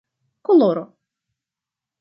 koloro